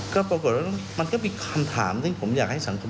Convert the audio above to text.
ก็ปรากฏว่ามันก็มีคำถามซึ่งผมอยากให้สังคม